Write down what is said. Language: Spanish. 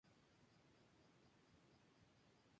Pertenece al grupo Carrefour.